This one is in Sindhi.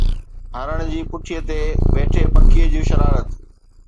هرڻ جي پٺيءَ تي ويٺي پکيءَ جو شرارت